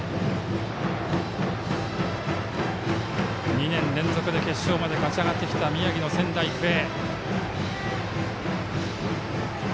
２年連続で決勝まで勝ち上がってきた宮城の仙台育英。